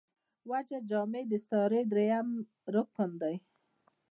وجه جامع داستعارې درېیم رکن دﺉ.